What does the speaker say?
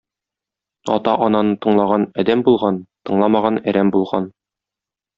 Ата-ананы тыңлаган — адәм булган, тыңламаган — әрәм булган.